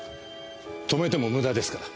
止めても無駄ですから。